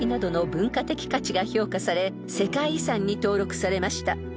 文化的価値が評価され世界遺産に登録されました］